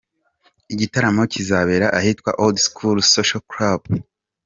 Igitaramo kizabera ahitwa Old School Social Club.